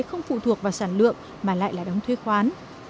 không phụ thuộc vào sản lượng mà lại là đóng thuế khoán